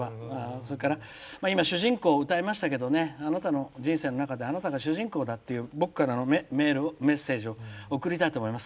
それから、今「主人公」を歌いましたけどあなたの人生の中であなたが主人公だっていう僕からのメッセージを送りたいと思います。